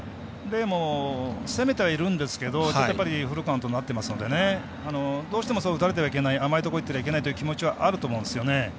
レイも攻めてはいるんですけどフルカウントになってますのでどうしても、打たれてはいけない甘いところいってはいけないという気持ちはあると思うんですよね。